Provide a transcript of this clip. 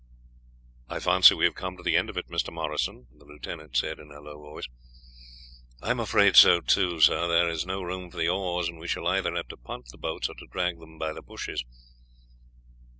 "I fancy we have come to the end of it, Mr. Morrison," the lieutenant said in a low voice. "I am afraid so too, sir; there is no room for the oars, and we shall either have to punt the boats, or to drag them by the bushes."